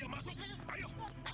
mas kenapa mas